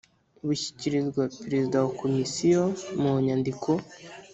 bushyikirizwa Perezida wa Komisiyo mu nyandiko